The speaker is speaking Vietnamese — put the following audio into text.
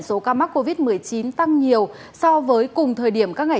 số ca mắc covid một mươi chín tăng nhiều so với cùng thời điểm các ngày